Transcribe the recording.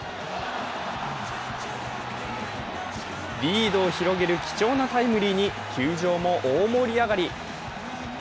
リードを広げる貴重なタイムリーに球場も大盛り上がり。